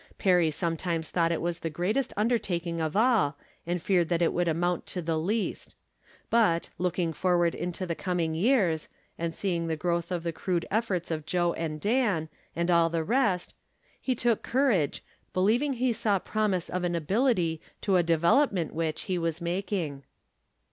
Perry sometimes thought it was the greatest undertaldng of all, and feared that it would amount to the least. But, looking forward into the coming years, and seeing the growth of the crude efforts of Joe and Dan, and 212 From Different Standpoints. all the rest, he took courage, believing he saw promise of an ability to a development wliich he was making.